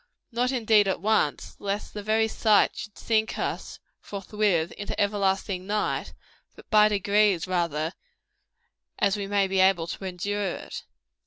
Not indeed at once, lest the very sight should sink us, forthwith, into everlasting night; but by degrees, rather, as we may be able to endure it.